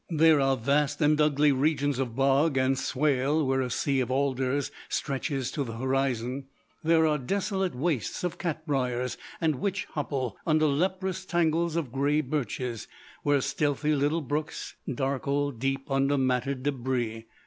"There are vast and ugly regions of bog and swale where a sea of alders stretches to the horizon. There are desolate wastes of cat briers and witch hopple under leprous tangles of grey birches, where stealthy little brooks darkle deep under matted débris.